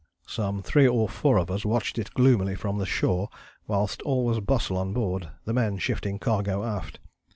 "Some three or four of us watched it gloomily from the shore whilst all was bustle on board, the men shifting cargo aft.